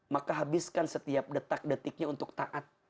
maka habiskan setiap detak detiknya untuk taat